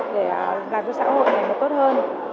để làm cho xã hội này tốt hơn